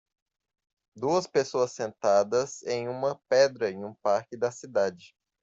Duas pessoas sentadas em uma pedra em um parque da cidade.